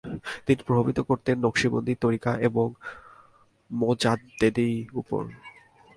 তিনি প্রভাবিত করতেন নকশবন্দি তরিকা এবং মোজ্জাদ্দেদই উপর।